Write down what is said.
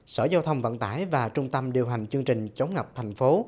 sở giao thông vận tải và trung tâm điều hành chương trình chống ngập thành phố